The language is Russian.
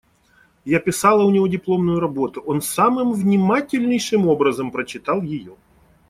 Я писала у него дипломную работу; он самым внимательнейшим образом прочитал ее.